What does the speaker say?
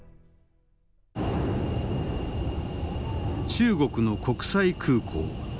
中国の国際空港。